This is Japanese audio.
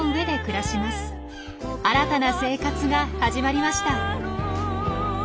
新たな生活が始まりました。